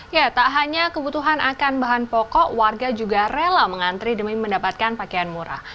ya tak hanya kebutuhan akan bahan pokok warga juga rela mengantri demi mendapatkan pakaian murah